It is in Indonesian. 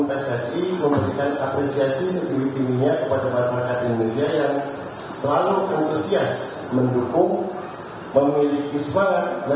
atau kegiatan kegiatan lainnya seperti menerima sponsor atau memasang iklan